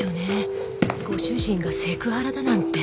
ご主人がセクハラだなんて。